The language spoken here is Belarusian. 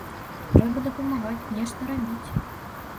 Трэба дапамагаць, нешта рабіць.